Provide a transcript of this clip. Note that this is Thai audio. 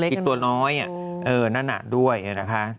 ผิดตัวน้อยนั่นน่ะด้วยนะคะ